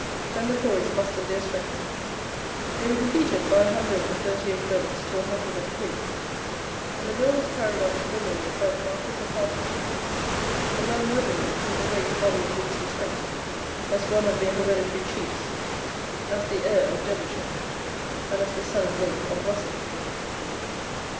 Then the Tories mustered their strength. They were defeated by a hundred and thirty eight votes to a hundred and three; and the bill was carried up to the Lords by the Marquess of Hartington, a young nobleman whom the great body of Whigs respected as one of their hereditary chiefs, as the heir of Devonshire, and as the son in law of Russell.